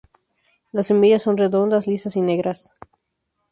Las semillas son redondas, lisas y negras.